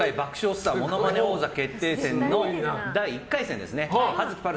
スターものまね王座決定戦」の第１回戦です。